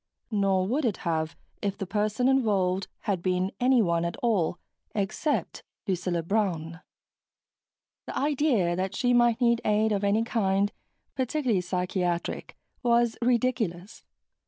Not would it have, if the person involved had been anyone at all except Lucilla Brown. The idea that she might need aid of any kind, particularly psychiatric, was ridiculous.